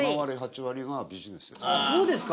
そうですか。